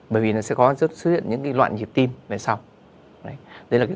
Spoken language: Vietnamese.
bởi vì nó sẽ có xuất hiện những loạn nhiệt tim về sau